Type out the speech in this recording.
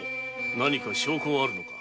何か証拠はあるのか？